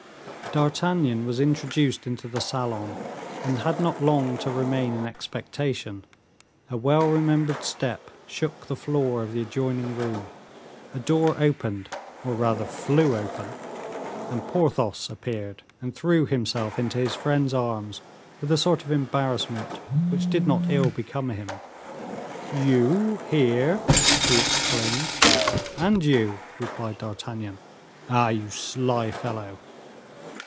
D'Artagnan was introduced into the salon, and had not long to remain in expectation: a well remembered step shook the floor of the adjoining room, a door opened, or rather flew open, and Porthos appeared and threw himself into his friend's arms with a sort of embarrassment which did not ill become him. "You here?" he exclaimed. "And you?" replied D'Artagnan. "Ah, you sly fellow!"